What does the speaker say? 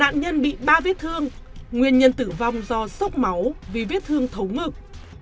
nạn nhân bị ba viết thương nguyên nhân tử vong do sốc máu vì viết thương thấu ngực